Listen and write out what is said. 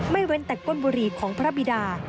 เว้นแต่ก้นบุหรี่ของพระบิดา